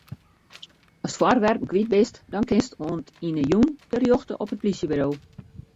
Ast foarwerpen kwyt bist, dan kinst oant yn 'e jûn terjochte op it plysjeburo.